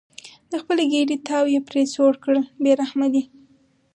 د خپلې ګېډې تاو یې پرې سوړ کړل بې رحمه دي.